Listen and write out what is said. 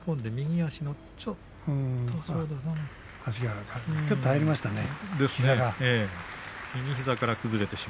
足がちょっと入りましたね、膝が。